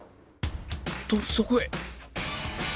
とそこへ